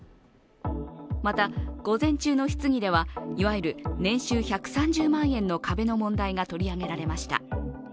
また、午前中の質疑では、いわゆる年収１３０万円の壁の問題が取り上げられました。